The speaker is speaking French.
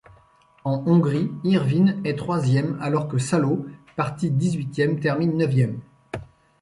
En Hongrie, Irvine est troisième alors que Salo, parti dix-huitième, termine neuvième.